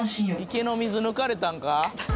池の水抜かれたんか？